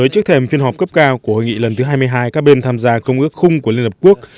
trước thềm phiên họp cấp cao của hội nghị lần thứ hai mươi hai các bên tham gia công ước khung của liên hợp quốc